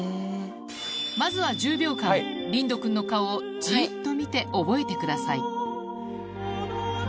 まずは１０秒間リンドくんの顔をじっと見て覚えてください